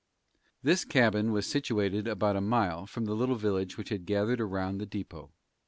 This cabin was situated about a mile from the little village which had gathered round the depot.